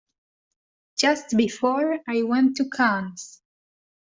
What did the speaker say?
Just before I went to Cannes.